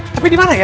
tapi dimana ya